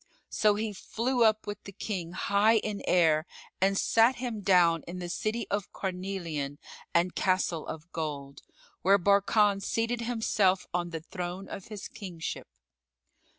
So he flew up with the King high in air and sat him down in the City of Carnelian and Castle of Gold, where Barkan seated himself on the throne of his kingship.